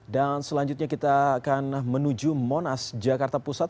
dan selanjutnya kita akan menuju monas jakarta pusat